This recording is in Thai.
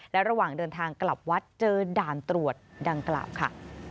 และระหว่างเดินทางกลับวัดเจอด่านตรวจดังกล่าวค่ะ